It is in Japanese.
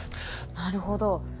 なるほど。